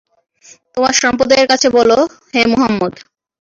তোমার সম্প্রদায়ের কাছে বল, হে মুহাম্মদ।